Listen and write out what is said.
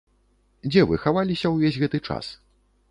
Дзе вы хаваліся ўвесь гэты час?